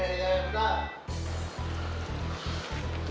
eh ya bentar